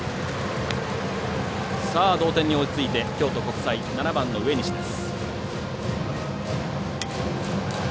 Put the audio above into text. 同点に追いついて京都国際、７番の植西です。